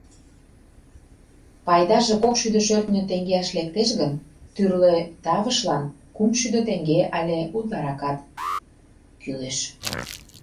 Пайдаже кокшӱдӧ шӧртньӧ теҥгеаш лектеш гын, тӱрлӧ тавышлан кумшӱдӧ теҥге але утларакат кӱлеш.